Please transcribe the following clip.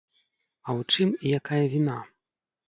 А ў чым і якая віна?